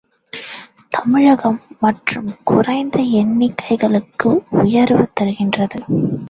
தமிழகம் மட்டும் குறைந்த எண்ணிக்கைக்கு உயர்வு தருகிறது.